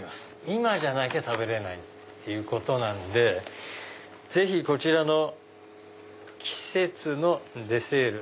今じゃなきゃ食べれない！っていうことなんでぜひこちらの「季節のデセール」。